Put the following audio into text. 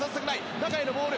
中へのボール。